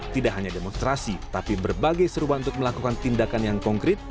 tidak hanya demonstrasi tapi berbagai serubah untuk melakukan tindakan yang konkret